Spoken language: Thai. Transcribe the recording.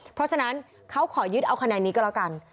เพราะฉะนั้นเขาขอยึดเอาคะแนนนี้ก็แล้วกัน